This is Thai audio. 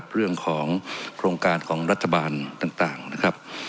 เรื่องของโครงการของรัฐบาลต่างนะครับ